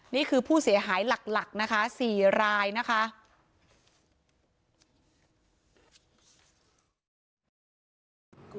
นี่คือผู้เสียหายหลักนะคะ๔รายนะคะ